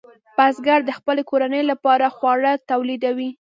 بزګر د خپلې کورنۍ لپاره خواړه تولیدوي.